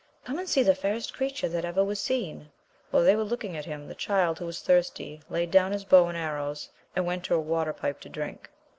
Come and see the fairest creature that ever was seen ! While they were looking at him, the child, who was thirsty, laid down '^his bow and arrows, and went to a water pipe to drink.